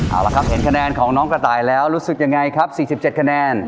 เอาละครับเห็นคะแนนของน้องกระต่ายแล้วรู้สึกยังไงครับ๔๗คะแนน